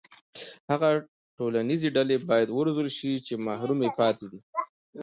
هغه ټولنیزې ډلې باید وروزل شي چې محرومې پاتې دي.